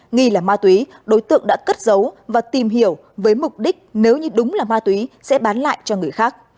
nghi là ma túy đối tượng đã cất giấu và tìm hiểu với mục đích nếu như đúng là ma túy sẽ bán lại cho người khác